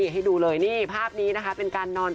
ให้ดูเลยภาพนี้เป็นการนอน